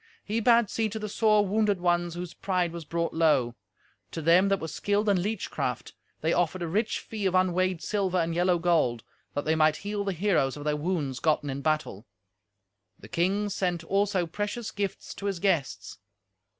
He bade see to the sore wounded ones whose pride was brought low. To them that were skilled in leech craft they offered a rich fee of unweighed sliver and yellow gold, that they might heal the heroes of their wounds gotten in battle; the king sent also precious gifts to his guests.